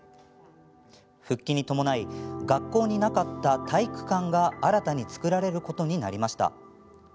復帰に伴い学校になかった体育館が新たに作られることになりました。